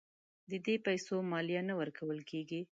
د دې پیسو مالیه نه ورکول کیږي.